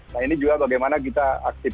nah ini juga bagaimana kita aktif